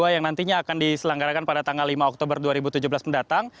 yang nantinya akan diselenggarakan pada tanggal lima oktober dua ribu tujuh belas mendatang